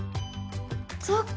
そっか。